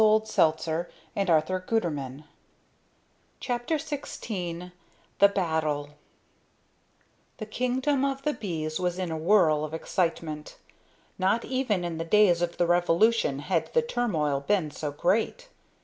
CHAPTER XVI THE BATTLE The kingdom of the bees was in a whirl of excitement. Not even in the days of the revolution had the turmoil been so great.